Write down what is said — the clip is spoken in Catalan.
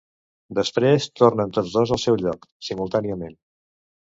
Després tornen tots dos al seu lloc, simultàniament.